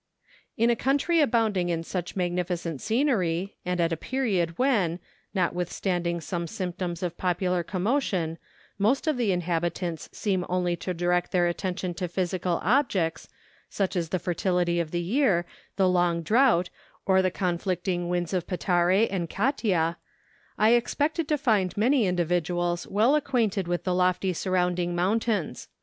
In a country abounding in such magnificent scenery, and at a period when, notwithstanding some symptoms of popular commotion, most of the inhabitants seem only to direct their attention to physical objects, such as the fertility of the year, the long drought, or the conflicting winds of Petare and Catia, I expected to find many individuals well acquainted with the lofty surrounding mountains.